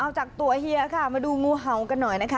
เอาจากตัวเฮียค่ะมาดูงูเห่ากันหน่อยนะคะ